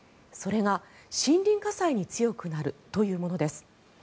それが森林火災に強くなるというものです。